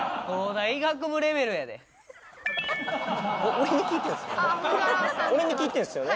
俺に聞いてるんですよね？